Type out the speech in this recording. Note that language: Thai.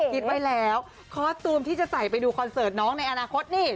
คิดไว้แล้วคอสตูมที่จะใส่ไปดูคอนเสิร์ตน้องในอนาคตนี่